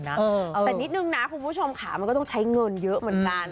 แต่นิดนึงนะคุณผู้ชมค่ะมันก็ต้องใช้เงินเยอะเหมือนกัน